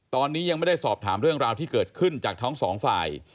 ตอนนี้ยังไม่ได้สอบถามเรื่องราวที่เกิดขึ้นจากทั้งสองฝ่าย